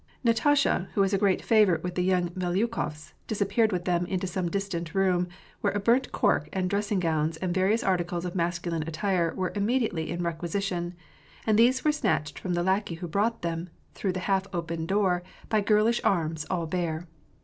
Natasha, who was a great favorite with the young Melyu kofs, disappeared with them into some distant room, where a burnt cork and dressing gowns and various articles of masculine attire were immediately in requisition ; and these were snatched from the lackey who brought them, through the half open door, by girlish arms, all bare.